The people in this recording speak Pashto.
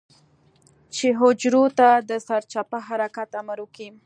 چې حجرو ته د سرچپه حرکت امر وکي.